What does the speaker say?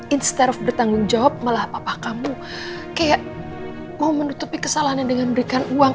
instead of bertanggung jawab malah papa kamu kayak mau menutupi kesalahannya dengan berikan uang